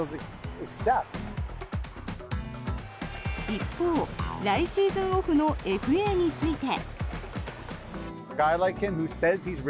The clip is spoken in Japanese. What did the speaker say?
一方、来シーズンオフのＦＡについて。